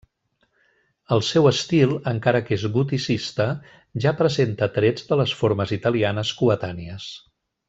El seu estil, encara que és goticista, ja presenta trets de les formes italianes coetànies.